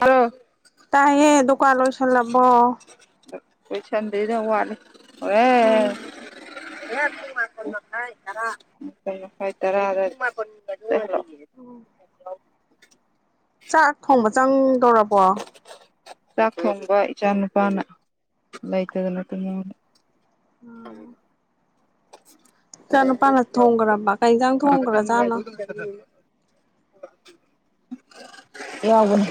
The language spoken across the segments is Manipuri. ꯍꯂꯣ ꯇꯥꯏ ꯗꯨꯀꯥꯟꯣꯁ ꯆꯂꯕꯣ ꯀ ꯆꯟꯗꯗ ꯎꯂ ꯎꯝ ꯌꯥꯔ ꯆꯥꯛ ꯊꯣꯡꯕ ꯆꯪꯗꯧꯔꯕꯣ ꯆꯥꯛ ꯊꯣꯡꯕ ꯏꯆꯥ ꯅꯨꯄꯥꯅ ꯂꯩꯇꯗꯅꯠꯇ ꯎ [inaudible] ꯏꯆꯥ ꯅꯨꯄꯥꯅ ꯊꯣꯡꯈ꯭ꯔꯕ ꯀ ꯌꯦꯟꯖꯥꯡ ꯊꯣꯡꯈ꯭ꯔꯥꯖꯥꯅꯣ ꯌꯥꯎꯕꯅꯦ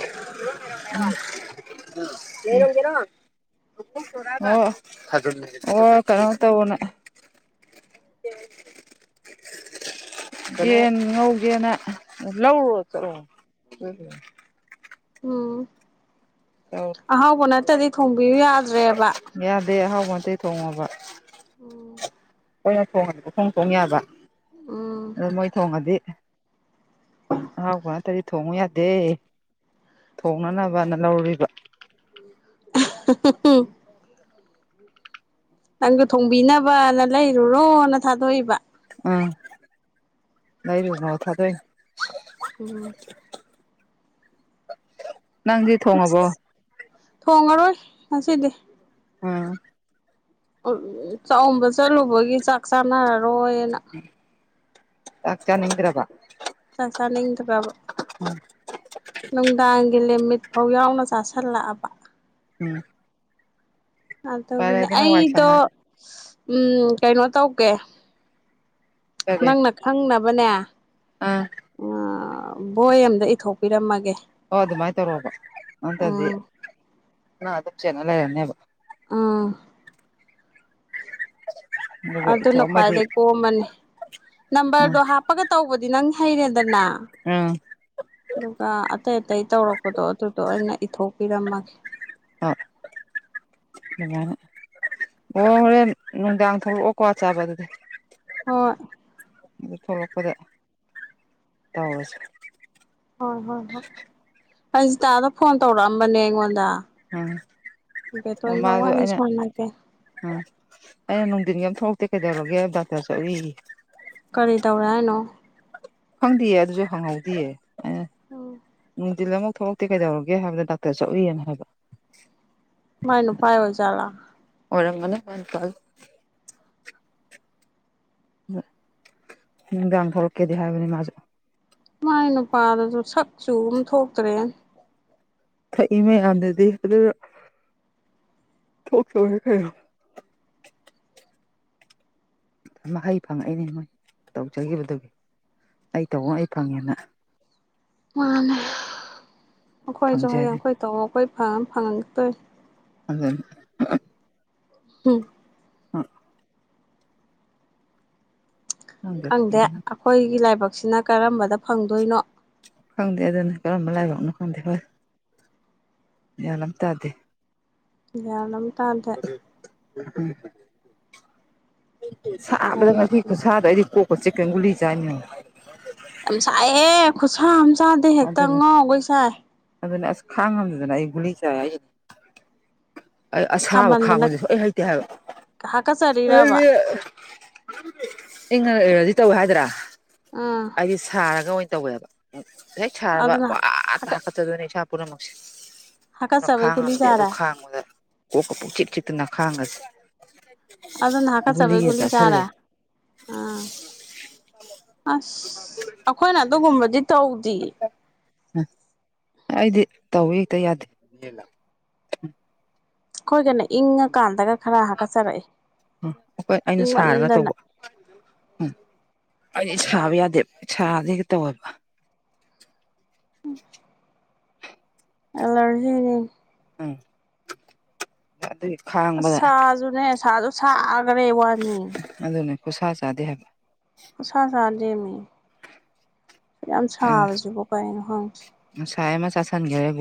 ꯑꯣ ꯑꯣ ꯀꯩꯅꯣ ꯇꯧꯕꯅꯦ ꯌꯦꯟ ꯉꯧꯒꯦꯅ ꯂꯧꯔꯣ ꯆꯠꯂꯣ ꯎꯝ ꯇꯧꯔꯦ ꯑꯍꯥꯎꯕ ꯅꯠꯇꯗꯤ ꯊꯣꯡꯕꯤꯌꯨ ꯌꯥꯗ꯭ꯔꯦꯕ ꯇꯩ ꯊꯣꯡꯉꯕ ꯎꯝ ꯀꯣꯏ ꯊꯣꯡ ꯊꯣꯡ ꯊꯣꯡ ꯌꯥꯕ ꯑ ꯃꯣꯏ ꯊꯣꯡꯉꯗꯤ ꯑꯍꯥꯎꯕꯔꯇꯗꯤ ꯊꯣꯡꯉꯨ ꯌꯥꯗꯦ ꯊꯣꯡꯅꯅꯕꯅ ꯂꯧꯔꯨꯔꯤꯕ ꯅꯪꯒ ꯊꯣꯡꯕꯤꯅꯕꯅ ꯂꯩꯔꯨꯔꯣꯅ ꯊꯥꯗꯣꯛꯏꯕ ꯎꯝ ꯅꯏꯔ ꯉ ꯊꯥꯗ ꯎꯝ [inaudible] ꯅꯪꯗꯤ ꯊꯣꯡꯉꯕꯣ ꯊꯣꯡꯉꯔꯣꯏ ꯉꯁꯤꯗꯤ ꯑꯣ ꯎ ꯆꯥꯛꯝꯕ ꯆꯠꯂꯨꯕꯒꯤ ꯆꯥꯛ ꯆꯥꯅꯔꯒ ꯔꯣꯣꯏꯅ ꯇ ꯆꯅꯤ ꯍꯗ꯭ꯔꯕ ꯅꯤ ꯕ ꯅꯨꯡꯗꯥꯡꯒꯤ ꯂꯤꯃꯤꯠ ꯐꯧ ꯌꯥꯎꯅ ꯆꯥꯥꯁꯜꯂꯛꯑꯕ ꯎꯝ ꯑꯗꯨꯒꯤꯅꯦ ꯄꯥꯏꯔꯒꯅ ꯋꯥꯏ ꯑꯩꯗꯣ ꯁꯪꯉꯅꯤ ꯎꯝ ꯀꯩꯅꯣ ꯇꯧꯒꯦ ꯀꯔꯤ ꯅꯪꯅ ꯈꯪꯅꯕꯅꯦ ꯑꯥ ꯎ ꯕꯣꯏ ꯑꯝꯗ ꯏꯊꯣꯛꯄꯤꯔꯝꯃꯒꯦ ꯑꯣ ꯑꯗꯨ ꯃꯥꯏ ꯇꯧꯔꯕ ꯑꯗꯤꯗꯤ ꯎꯝ ꯑ ꯑꯗꯨꯝ ꯆꯦꯅꯦꯕ ꯑꯥ [inaudible] ꯑꯗꯨꯅ ꯏꯊꯣꯛꯑꯝꯃꯗꯤ ꯈ꯭ꯋꯥꯏꯗꯒꯤꯩ ꯀꯣꯝꯃꯅꯤ ꯎꯝ ꯅꯝꯕꯔꯗꯣ ꯍꯥꯞꯄꯒ ꯇꯧꯕꯗ ꯗꯤ ꯅꯪ ꯍꯩꯔꯦꯗꯅ ꯎꯝ ꯑꯗꯨꯒ ꯑꯇꯩ ꯑꯇꯩ ꯇꯧꯔꯛꯄꯗꯣ ꯑꯗꯨꯗꯣ ꯑꯩꯅ ꯄꯤꯊꯣꯛꯄꯤꯔꯝꯃꯒꯦ ꯑ ꯑꯗꯨꯃꯥꯏꯅ ꯑꯣ ꯍꯣꯔꯦꯟ ꯅꯨꯡꯗꯥꯡ ꯊꯣꯛꯂꯛꯑꯣꯀꯣ ꯆꯥꯕ ꯑꯗꯨꯗꯤ ꯍꯣꯏ ꯊ ꯂꯄꯗ ꯇꯧꯁ ꯍꯣꯏ ꯍꯣꯏ ꯍꯣꯏ ꯍꯪꯖꯤꯇꯥꯗ ꯐꯣꯟ ꯇꯧꯔꯛꯑꯝꯕꯅꯦ ꯑꯩꯉꯣꯟꯗ ꯎꯝ ꯑꯣ ꯕꯦꯇꯣꯟꯒ ꯃꯥꯁꯨ ꯋꯥꯔꯤ ꯑꯩꯅ ꯁꯥꯟꯅꯒꯦ ꯑꯩꯅ ꯅꯨꯡꯊꯤꯟꯒꯤ ꯑꯃ ꯊꯣꯛꯂꯛ ꯀꯩꯗꯕꯒꯦ ꯇ ꯆꯕꯤ ꯀꯔꯤ ꯇꯧꯔꯦ ꯍꯥꯏꯅꯣ ꯈꯪꯗꯦꯌꯦ ꯑꯗꯨꯁꯨ ꯍꯪꯍꯧꯗꯌꯦ ꯑ ꯎꯝ ꯎꯝ ꯗꯤꯜ ꯑꯃꯨꯛ ꯊꯣꯛꯂꯛꯇꯦ ꯀꯩꯗꯧꯔꯒꯦ ꯍꯥꯏꯕꯗ ꯗꯥꯛꯇꯔ ꯆꯠꯎꯏꯦꯅ ꯍꯥꯏꯕ ꯃꯥꯏꯅꯨ ꯄꯥꯏ ꯑꯣꯏꯖꯂ ꯔ ꯃ ꯃꯅ ꯐꯜ ꯗꯥ ꯊꯣꯛꯂꯛꯀꯦꯗꯤ ꯍꯥꯏꯕꯅꯤ ꯃꯥꯁꯨ ꯃꯥꯏ ꯅꯨꯄꯥꯗꯁꯨ ꯁꯛ ꯆꯨꯕ ꯊꯣꯛꯇ꯭ꯔꯦ ꯏꯃꯦ ꯑꯗꯗꯤ ꯀ ꯊꯋ ꯈ ꯍꯩ ꯐꯪꯉꯛꯏꯅꯦ ꯃꯣꯏ ꯇꯧꯖꯈꯤꯕꯗꯨꯗꯒꯤ ꯑꯩ ꯇꯧꯑꯣ ꯑꯩ ꯐꯪꯉꯦꯅ ꯃꯥꯅꯦ ꯑꯩꯈꯣꯏꯁꯨ ꯍꯌꯦꯡ ꯐꯪꯖꯔꯤ ꯑꯩꯈꯣꯏ ꯇꯧ ꯑꯩꯈꯣꯏ ꯐꯪ ꯐꯪ ꯇꯣꯏ ꯑꯗ ꯎꯝ ꯑ ꯈꯪꯗꯦ ꯑꯩꯈꯣꯏꯒꯤ ꯂꯥꯏꯕꯛ ꯁꯤꯅ ꯀꯔꯝꯕꯗ ꯐꯪꯗꯣꯏꯅꯣ ꯈꯪꯗꯦ ꯑꯗꯨꯅ ꯀꯔꯝꯕ ꯂꯥꯏꯕꯛꯅꯣ ꯈꯪꯗꯦ ꯍꯣꯏ ꯌꯥ ꯑꯃ ꯇꯥꯗꯦ ꯌꯥꯅ ꯀꯥꯥꯟꯗ ꯎ ꯎꯝ ꯁꯥꯕꯗ ꯂꯥꯏꯕꯛ ꯉꯤ ꯈꯨ ꯁꯥꯗ ꯑꯩꯗꯤ ꯀꯣꯛ ꯆ ꯀꯦꯡꯪꯒꯨꯂꯤ ꯆꯥꯅꯤꯨ ꯁꯥꯏꯍꯦ ꯈꯨꯁꯝ ꯆꯥꯗꯦ ꯍꯦꯛꯇ ꯑꯗꯨꯅꯤ ꯉꯥꯎꯈꯩ ꯁꯥꯏ ꯑꯗꯨꯅ ꯑꯁ ꯈꯥꯡꯉꯝꯗꯨꯗꯅ ꯑꯩ ꯒꯨꯂꯤ ꯆꯥꯏ ꯑꯩ ꯑꯩ ꯑꯁꯥꯕ ꯁꯥꯃꯟꯗꯅ ꯈꯥꯡꯕꯗꯨ ꯁꯣꯛꯍ ꯍꯩꯇꯦ ꯍꯥꯀꯠꯆꯔꯤꯔꯕ ꯍꯥꯏꯕꯗꯤ ꯏꯗꯤ ꯇꯧ ꯍꯥꯏꯗ꯭ꯔꯥ ꯎꯝ ꯑꯩꯗꯤ ꯁꯥꯔꯒ ꯑꯣꯏꯅ ꯇꯧꯋꯦꯕ ꯅ ꯁꯕ ꯑꯗꯨꯅ ꯄ ꯇ ꯍꯥꯀꯠ ꯍꯥꯀ ꯆ ꯑꯗꯨꯅ ꯄꯨꯔꯥꯃꯁꯤ ꯑꯗꯨ ꯍꯥꯀꯠꯆꯕꯩ ꯒꯨꯂꯤ ꯈꯥꯡꯉꯝꯗꯦ ꯑꯗꯨ ꯆꯥꯔꯦ ꯈꯥꯡꯕꯗ ꯀ ꯀ ꯆꯠ ꯆꯛꯇ ꯅꯥꯈꯥꯒꯁꯦ ꯑꯗꯨꯅ ꯍꯥꯀꯠꯆꯕꯩ ꯒꯨꯂꯤ ꯆꯥꯔꯦ ꯎꯝ ꯑꯁ ꯑꯩꯈꯣꯏꯅ ꯑꯗꯨꯒꯨꯝꯕꯗꯤ ꯇꯧ ꯇꯔꯤ ꯎꯝ ꯑꯩꯗꯤ ꯇꯧꯋ ꯍꯦꯛꯇ ꯌꯥꯗꯦ ꯀꯣꯏꯒꯅꯤ ꯏꯪ ꯀꯥꯟꯗꯒ ꯈꯔ ꯍꯥꯀꯠꯆꯔꯛꯏꯦ ꯎꯝ ꯑꯩꯈꯣꯏ ꯑꯩꯅ ꯁꯥꯔꯒ ꯏꯪꯃꯟꯗꯅ ꯇꯧꯕ ꯑꯩꯗꯤ ꯁꯥꯕ ꯌꯥꯗꯦ ꯁꯥꯗꯤꯦꯒ ꯇꯧꯋꯦꯕ ꯑꯂ ꯎꯝ ꯈꯥꯡꯕꯗ ꯁꯥꯖꯨꯅꯦ ꯁꯥꯖꯨ ꯁꯥ ꯔꯦ ꯑꯗꯨꯅꯦ ꯈꯨꯠꯁꯥ ꯆꯥꯗꯦ ꯍꯥꯏꯕ ꯋꯥꯅꯤꯁꯁ ꯦꯃꯤ ꯁꯨ ꯌꯥꯝ ꯁꯥꯕꯁꯤꯕꯣ ꯀꯩꯅꯣ ꯍꯪꯉꯦ ꯑ ꯍꯥꯏꯥꯏꯃ ꯁꯥꯁꯟꯒꯔꯦꯒ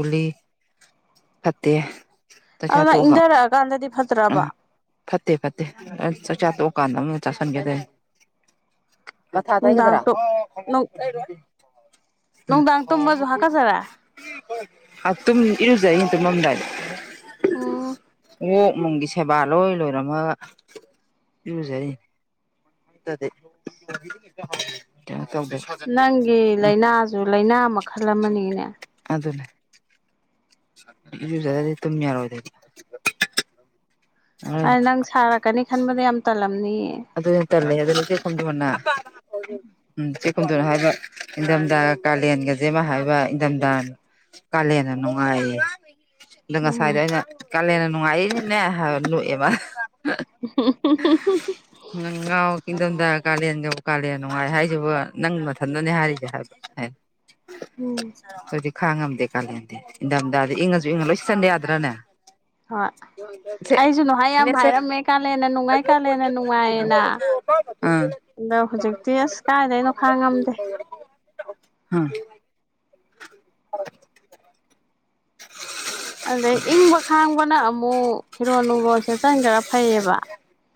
ꯐꯇ ꯆꯥꯛꯆꯥ ꯑꯗꯨꯅ ꯇꯣꯛꯑꯒ ꯏꯪꯊꯔꯛꯑꯀꯥꯟꯗꯗꯤ ꯑ ꯐꯠꯇ꯭ꯔꯕ ꯐꯠꯇꯦ ꯐꯠꯇꯦ ꯆꯥꯛꯆꯥ ꯇꯣꯛ ꯗꯨꯀꯥꯟꯗ ꯑꯃꯅ ꯆꯥꯁꯟꯒꯦꯁꯦ ꯃꯆꯥ ꯍꯥ ꯇ ꯍꯒꯗ꯭ꯔꯥ ꯅꯨꯡꯗꯥꯡ ꯅꯨꯡꯗꯥꯡ ꯇꯨꯝꯃꯁꯨ ꯍꯥꯀꯠꯆꯔꯦ ꯇꯝ ꯏꯔ ꯗꯦ ꯑ ꯏꯃꯨꯡꯒꯤ ꯁꯦꯕꯥ ꯂꯣꯏ ꯂꯣꯏꯔꯝꯃꯒ ꯏꯨꯖꯔꯤ ꯅꯪ ꯂꯩꯅꯥꯖꯨ ꯂꯩ ꯂꯥꯏꯅꯥ ꯃꯈꯜ ꯑꯃꯅꯤꯅꯦ [unintelligible] ꯗꯤ ꯇꯃꯤ ꯌꯥꯔ ꯑꯣꯏꯗ ꯑ ꯅꯪ ꯁꯥꯔꯛꯀꯅꯤ ꯈꯟꯕꯗ ꯌꯥꯝ ꯇꯜꯂꯛ ꯑꯗꯨ ꯏ ꯇꯂꯦ ꯑꯗꯨ ꯀ ꯈꯨ ꯇꯕꯅ ꯎꯝ ꯆꯦꯛꯀꯨꯝꯗꯅ ꯍꯥꯏꯕ ꯏꯪꯊꯝꯊ ꯀꯥꯂꯦꯟꯒꯁꯦꯃ ꯍꯥꯏꯕ ꯏꯪꯊꯝꯊ ꯀꯥꯂꯦꯟꯅ ꯅꯨꯡꯉꯥꯏꯌꯦ ꯂꯉ ꯁꯥꯏꯔ ꯎꯝ ꯑꯩꯅ ꯀꯂꯌꯥ ꯅꯉꯥꯏꯅꯤꯅꯦ ꯑꯦꯕ [unintelligible] ꯉꯥꯎ ꯀꯤꯡꯊꯣꯝꯗ ꯀꯥꯂꯦꯟꯒ ꯀꯥꯂꯦꯟ ꯅꯨꯡꯉꯥꯏ ꯍꯥꯏꯁꯤꯕꯨ ꯅꯪ ꯃꯊꯟꯇꯅꯦ ꯍꯥꯏꯔꯤꯁꯦ ꯍꯥꯏꯕ ꯎꯝ ꯑꯗꯨꯗꯤ ꯈꯥꯡꯉꯝꯗꯦ ꯀꯥꯂꯦꯟꯗ ꯏꯟꯊꯝꯊꯗ ꯏꯪꯉꯁꯨ ꯏꯪꯉ ꯂꯣꯏ ꯁꯤ ꯆꯟꯗꯦ ꯌꯥꯗ꯭ꯔꯅꯦ ꯍꯣꯏ ꯁꯦ ꯑꯩꯁꯨ ꯅ ꯍꯥꯏ ꯌꯥꯝ ꯏꯅꯦꯁꯦ ꯍꯥꯏꯔꯝꯃꯦ ꯀꯥꯂꯦꯅ ꯅꯨꯡꯉꯥꯏ ꯀꯥꯂꯦꯅ ꯅꯨꯡꯉꯥꯏꯌꯦꯅ ꯑꯥ ꯑꯗꯣ ꯍꯧꯖꯤꯛꯇꯤ ꯑꯁ ꯀꯥꯏꯗ ꯑꯩꯅꯣ ꯈꯥꯡꯉꯝꯗꯦ ꯑꯥ ꯑꯗꯩ ꯏꯪꯕ ꯈꯥꯡꯕꯅ ꯑꯃꯨꯛ ꯐꯤꯔꯣꯜ ꯅꯨꯡꯔꯣꯁꯦꯠ ꯆꯟ ꯈꯔ ꯐꯩꯌꯦꯕ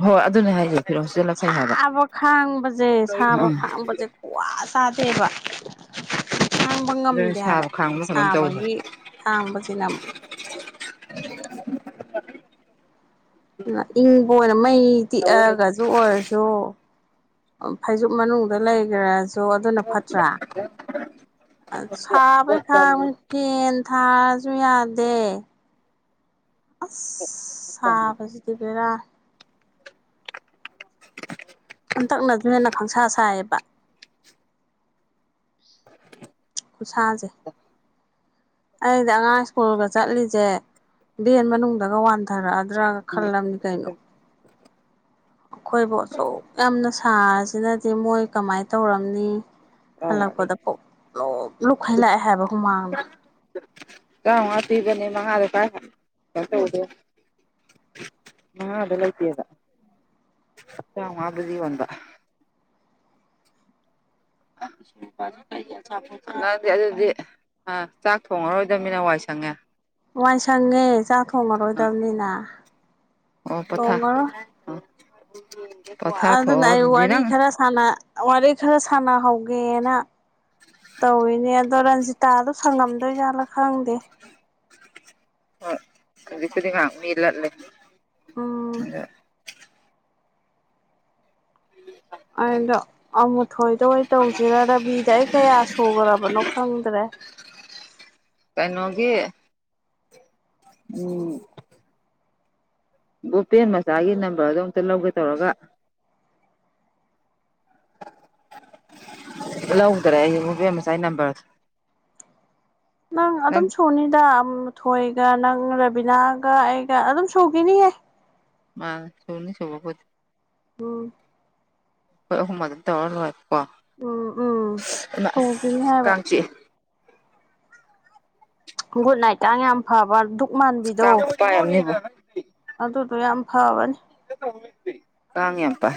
ꯍꯣꯏ ꯑꯗꯨꯅꯦ ꯍꯥꯏꯌꯨ ꯁꯥꯕ ꯈꯥꯡꯕꯁꯦ ꯁꯥꯕ ꯑꯥ ꯈꯥꯡꯕꯁꯦ ꯈꯨ꯭ꯋꯥ ꯇꯥꯗꯦꯕ ꯈꯥꯡꯕ ꯑꯗꯨꯅ ꯉꯝꯗꯦ ꯍꯥꯏꯕ ꯁꯥꯕ ꯈꯥꯡꯕ ꯀꯩꯅꯣꯝ ꯇꯧꯋꯦ ꯁꯥꯕꯒꯤ ꯍꯥꯏꯕ ꯈꯥꯡꯕꯁꯤꯅ ꯑꯃꯨꯛ [inaudible] ꯏ ꯍ ꯃꯩ ꯇꯤꯛꯑꯒꯁꯨ ꯑꯣꯏꯔꯁꯨ ꯑꯣ ꯐꯩꯖꯨꯞ ꯃꯅꯨꯡꯗ ꯂꯩꯈꯔ ꯑꯗꯨꯗꯣ ꯑꯗꯨꯅ ꯐꯠꯇ꯭ꯔꯥ ꯁꯥꯕꯩꯈꯥꯡ ꯐꯦꯟ ꯊꯥꯔꯁꯨ ꯌꯥꯗꯦ ꯑꯁ ꯁꯥꯕꯁꯤꯗꯤ ꯕꯦꯔꯥ [inaudible] ꯍꯟꯇꯛꯅꯁꯨ ꯍꯦꯟꯅ ꯈꯪꯁꯥ ꯁꯥꯏꯌꯦꯕ ꯈꯨꯠꯁꯥꯁꯦ ꯑꯩꯗꯤ ꯑꯉꯥꯡ ꯁ꯭ꯀꯨꯜꯒ ꯆꯠꯂꯤꯁꯦ ꯚꯦꯟ ꯃꯅꯨꯡꯗꯒ ꯋꯥꯟꯊꯔꯛꯑ ꯔ ꯀꯂꯝꯅꯤ ꯀꯥꯏꯅꯣ ꯑꯩꯈꯣꯏꯕꯨ ꯑꯁꯨꯛ ꯌꯥꯝꯅ ꯊꯥꯁꯤꯅꯗꯤ ꯃꯣꯏ ꯀꯃꯥꯏꯅ ꯇꯧꯔꯝꯅꯤ ꯑꯥꯎ ꯑꯩ ꯍꯜꯥꯛꯄꯣꯗꯄꯣ ꯑꯣ ꯂꯣꯛꯈꯩ ꯂꯥꯛꯑꯦ ꯍꯥꯏꯕ ꯍꯨꯃꯥꯡꯅ ꯆꯥ ꯍꯥꯇꯤꯕꯅꯤ ꯃꯉꯥꯗ ꯀꯥꯏ ꯃꯉꯥꯗ ꯂꯩꯇꯕ ꯆ ꯑꯗꯨꯗꯤꯕꯟꯕ ꯗꯤ ꯑꯗꯨꯗꯤ ꯑ ꯆꯥꯛ ꯊꯣꯡꯉꯔꯣꯏꯗꯕꯅꯤꯅ ꯋꯥꯏ ꯁꯪꯉꯦ ꯋꯥꯏ ꯁꯪꯉꯦ ꯆꯥꯛ ꯑꯥ ꯊꯣꯡꯉꯔꯣꯏꯗꯕꯅꯤꯅ ꯊꯣꯡꯉꯔꯣꯏ ꯑꯗꯨ ꯑꯗꯨꯅ ꯑꯩ ꯋꯥꯔꯤ ꯈꯔ ꯁꯥꯟꯅ ꯋꯥꯔꯤ ꯈꯔ ꯁꯥꯟꯅꯍꯧꯦ ꯦꯅ ꯇꯧꯅꯤꯗꯣ ꯇꯥꯗꯣ ꯁꯪꯉꯝꯗꯣꯏꯖꯥꯠꯂꯥ ꯈꯪꯗꯦ ꯍꯣꯏ ꯑꯗꯨꯔꯤ ꯀꯔꯤ ꯉ ꯃ ꯂꯂ ꯎꯝ ꯑꯗꯣ ꯑꯩꯗꯣ ꯑꯃꯨꯊꯣꯏꯗ ꯑꯣꯏ ꯇꯧꯁꯤꯔ ꯔꯕꯤꯗ ꯑꯩ ꯀꯌꯥ ꯁꯨꯈ꯭ꯔꯕꯅꯣ ꯈꯪꯗ꯭ꯔꯦ ꯀꯥꯏꯅꯒꯤꯤ ꯎꯝ ꯒꯣꯄꯦꯟ ꯃꯆꯥꯒꯤ ꯅꯝꯕꯔꯗꯣ ꯑꯨꯛꯇ ꯂꯧꯒꯦ ꯇꯧꯔꯒ ꯂꯧꯗ꯭ꯔꯦ ꯑꯩ ꯃꯕꯦꯝ ꯃꯁꯥꯏ ꯅꯝꯕꯔꯗ ꯅꯪ ꯑꯗꯨꯝ ꯁꯨꯅꯤꯗ ꯊꯣꯏꯒ ꯅꯪ ꯔꯕꯤꯅꯥꯒ ꯑꯩꯒ ꯑꯗꯨꯝ ꯁꯨꯈꯤꯅꯤꯌꯦꯦ ꯃꯥ ꯁꯣꯅꯤ ꯁꯕꯥꯄꯗꯤ ꯍꯨ ꯍꯣꯏ ꯍꯃ ꯇꯧ ꯋꯥꯔ ꯋꯥ ꯎꯝ ꯎꯝ ꯑꯁ ꯁꯣꯡꯒꯅꯤ ꯍꯥꯏꯕ ꯀꯥꯡ ꯆꯤꯛꯑꯦ ꯒꯨꯗ ꯅꯥꯏꯠꯥꯡ ꯌꯥꯝ ꯐꯕ ꯃꯥꯟꯕꯤꯗꯣ ꯀꯥꯈ ꯄꯥꯏꯅꯤꯕ ꯁ꯭ꯌꯥꯝ ꯐꯅꯤ ꯀꯥꯉꯄꯥ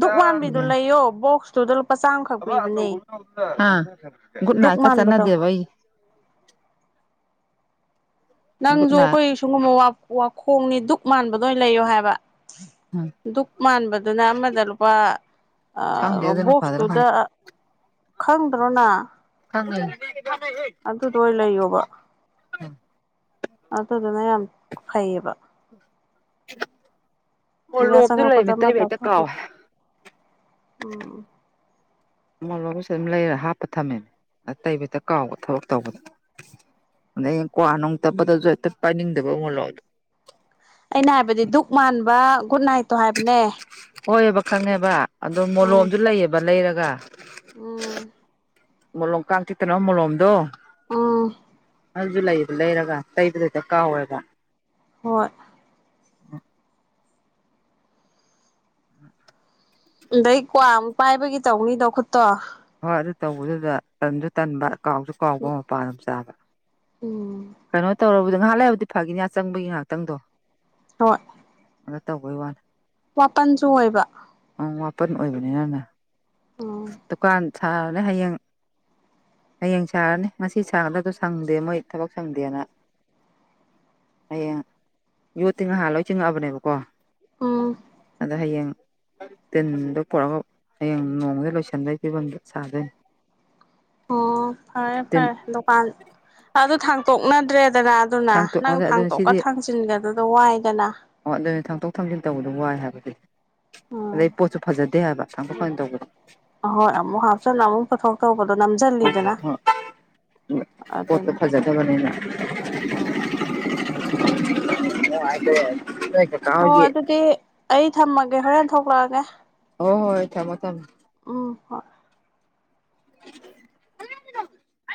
ꯙꯛ ꯃꯥꯟꯕꯤꯗꯨ ꯂꯩꯌꯣ ꯕꯣꯛꯁꯇꯨꯗ ꯂꯨꯄꯥ ꯆꯥꯝꯃꯈꯛ ꯄꯤꯕꯅꯦ ꯨꯠ ꯙꯛ ꯀ ꯃꯥꯟꯕꯗꯣ ꯆꯅꯗꯦꯕ ꯅꯪꯁꯨ ꯑꯩꯈꯣꯏ ꯁꯨꯡꯒꯨꯝꯕ ꯋꯥꯈꯣꯡꯅꯤ ꯗꯨꯛ ꯃꯥꯟꯕꯗ ꯑꯣꯏꯅ ꯂꯩꯌꯣ ꯍꯥꯏꯕ ꯎꯝ ꯗꯨꯛ ꯃꯥꯟꯕꯗꯨꯅ ꯑꯃꯗ ꯂꯨꯄꯥ ꯈꯪꯗꯦ ꯑꯗꯨꯅ ꯐꯗ꯭ꯔꯥ ꯕꯣꯛꯁꯇꯨꯗ ꯈꯪꯗꯦ ꯈꯪꯗ꯭ꯔꯣꯅ ꯐꯉꯤ ꯑꯗꯨ ꯇ ꯂꯩ ꯌꯣꯕ ꯑꯗꯨꯗꯨꯅ ꯌꯥꯝ ꯐꯩꯌꯦꯕ ꯍ ꯑꯗꯨꯒ ꯃꯣꯏꯂꯣꯝꯁꯨ ꯆꯪꯉꯛꯄꯗ ꯂꯩꯔꯅꯤ ꯑꯃ ꯇꯩꯕ ꯍꯦꯛꯇ ꯆꯥꯊꯣꯛꯈꯤ ꯀꯥꯎꯋꯦ ꯎꯝ ꯎꯃꯠ ꯂꯣꯒꯁꯨ ꯑꯗꯨꯝ ꯂꯩꯔ ꯍꯥꯞꯄ ꯊꯝꯃꯦꯅꯦ ꯑ ꯇꯩꯕꯗ ꯀꯥꯎꯕ ꯊꯕꯛ ꯇꯧꯕꯗ ꯑꯗ ꯀ꯭ꯋꯥ ꯅꯨꯡ ꯇꯞꯄꯗꯁꯨ ꯍꯦꯛꯇ ꯄꯥꯏꯅꯤꯡꯗꯕ ꯎꯃꯣꯠꯂꯣꯗ ꯑꯩꯅ ꯍꯥꯏꯕꯗꯤ ꯙꯛ ꯃꯥꯟꯕ ꯒꯨꯗ ꯅꯥꯏꯠꯇꯣ ꯍꯥꯏꯕꯅꯦ ꯍꯣꯏꯑꯕ ꯈꯪꯉꯦꯕ ꯑꯗꯣ ꯎꯝ ꯃꯣꯂꯣꯝꯁꯨ ꯂꯩꯌꯦꯕ ꯂꯩꯔꯒ ꯀ ꯎꯝ ꯃꯣꯂꯣꯝ ꯀꯥꯡ ꯆꯤꯛꯇꯅꯣ ꯃꯣꯂꯣꯝꯗꯣ ꯑꯥ ꯑꯗꯨꯁꯨ ꯂꯩꯗ ꯂꯩꯔꯒ ꯇꯩꯕꯗ ꯍꯗ ꯀꯥꯎꯋꯦꯕ ꯍꯣꯏ ꯎ ꯑꯗꯩ ꯀ꯭ꯋꯥ ꯑꯃꯨꯛ ꯄꯥꯏꯕꯒꯤ ꯇꯧꯅꯤꯗꯣ ꯈꯨꯠꯇꯣ ꯍꯣꯏ ꯑꯗꯨ ꯇꯧꯕꯗꯨꯗ ꯇꯟꯁꯨ ꯇꯟꯕ ꯀꯥꯎꯁꯨ ꯀꯥꯎꯕ ꯃꯄꯥꯟ ꯑꯃ ꯆꯥꯕ ꯎꯝ ꯀꯩꯅꯣ ꯇꯧꯔꯕꯗ ꯉꯥꯏꯍꯥꯛ ꯂꯩꯕꯗꯤ ꯐꯥꯒꯤꯅꯤ ꯆꯪꯕꯒꯤ ꯉꯥꯏꯍꯥꯛꯇꯪꯗꯣ ꯍꯣꯏ ꯑ ꯇꯧꯕꯩ ꯋꯥꯂ ꯃꯥꯄꯟꯁꯨ ꯑꯣꯏꯕ ꯃꯥꯄꯟ ꯑꯣꯏꯕꯅꯤ ꯅꯅ ꯎꯝ ꯗꯨꯀꯥꯟ ꯁꯥꯔꯅꯤ ꯍꯌꯦꯡ ꯍꯌꯦꯡ ꯁꯥꯔꯅꯤ ꯉꯁꯤ ꯁꯥꯒꯗꯕꯗꯣ ꯁꯪꯗꯦ ꯃꯣꯏ ꯊꯕꯛ ꯁꯪꯗꯦꯅ ꯍꯌꯦꯡ ꯌꯣꯠꯇꯤ ꯉꯍꯥꯟ ꯂꯣꯏ ꯆꯤꯡꯉꯛꯑꯕꯅꯦꯕꯀꯣ ꯎꯝ ꯑꯗ ꯍꯌꯦꯡ ꯇꯗ ꯄꯨꯔꯒꯡ ꯅꯣꯡꯉꯗ ꯂꯣꯏ ꯆꯟꯗ ꯕ ꯁꯥꯗꯦ ꯑꯣ ꯐꯔꯦ ꯐꯔꯦ ꯗꯨꯀꯥꯟ ꯑꯗꯨ ꯊꯥꯡꯇꯣꯛꯅꯗ꯭ꯔꯦ ꯗꯅ ꯑꯗꯨꯅ ꯊꯥꯡꯇꯣꯛ ꯅꯪ ꯑꯗꯨꯅ ꯊꯥꯡꯇꯣꯛꯀ ꯁꯤꯗꯤ ꯊꯥꯡꯖꯤꯟꯒꯗꯨꯗ ꯋꯥꯏꯗꯅ ꯑꯣ ꯑꯗꯨꯅꯤ ꯊꯥꯡꯇꯣꯛ ꯊꯥꯡꯖꯤꯟ ꯇꯧꯕꯗꯣ ꯋꯥꯏ ꯍꯥꯏꯕꯗꯤ ꯑꯗꯩ ꯄꯣꯠꯁꯨ ꯐꯖꯗꯦ ꯍꯥꯏꯕ ꯊꯥꯡꯇꯣꯛ ꯊꯥꯡꯖꯤꯟ ꯇꯧꯕꯗ ꯍꯣꯏꯃꯨ ꯍꯥꯞꯆ ꯅ ꯑꯃꯨ ꯐꯊꯧ ꯇꯧ ꯣ ꯅꯝꯖꯗꯅ ꯄꯣꯠꯇꯣ ꯑꯗꯨꯅ ꯐꯖꯗꯕꯅꯤꯅ ꯎꯝ ꯑꯣ ꯍꯥꯏ ꯍꯣ ꯑꯗꯨꯗꯤ ꯑꯩ ꯊꯝꯃꯒꯦ ꯍꯣꯔꯦꯟ ꯊꯣꯛꯂꯛꯑꯒꯦ ꯍꯣꯏ ꯍꯣꯏ ꯊꯝꯃꯣ ꯊꯝꯃꯦ ꯎ ꯍꯣ